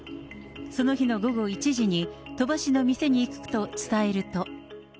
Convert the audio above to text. その日の午後１時に、鳥羽氏の店に行くと伝えると。